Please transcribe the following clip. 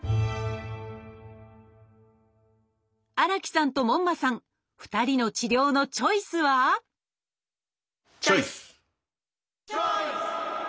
荒木さんと門馬さん２人の治療のチョイスはチョイス！